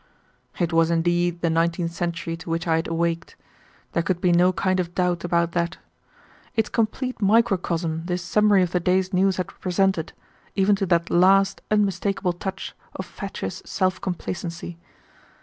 It was indeed the nineteenth century to which I had awaked; there could be no kind of doubt about that. Its complete microcosm this summary of the day's news had presented, even to that last unmistakable touch of fatuous self complacency.